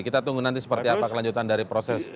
kita tunggu nanti seperti apa kelanjutan dari proses